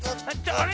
あれ？